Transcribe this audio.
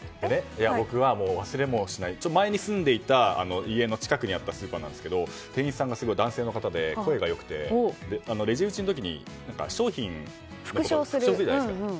僕は忘れもしない前に住んでいた家の近くにあったスーパーなんですけど店員さんが男性の方で声が良くて、レジ打ちの時に商品を復唱するじゃないですか。